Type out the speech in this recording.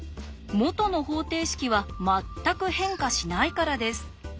元の方程式は全く変化しないからです。